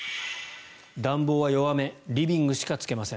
暖房は弱めリビングしかつけません。